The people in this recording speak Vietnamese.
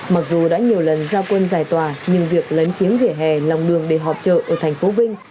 mặc dù đã nhiều lần giao quân giải tỏa nhưng việc lấn chiếm vỉa hè lòng đường để họp chợ ở thành phố vinh